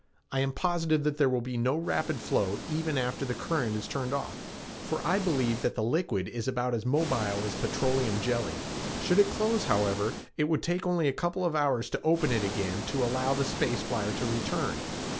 I am positive that there will be no rapid flow even after the current is turned off, for I believe that the liquid is about as mobile as petroleum jelley. Should it close, however, it would take only a couple of hours to open it again to allow the space flyer to return."